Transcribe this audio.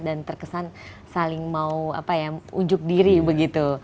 dan terkesan saling mau ujuk diri begitu